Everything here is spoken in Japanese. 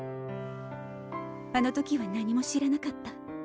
あの時は何も知らなかった。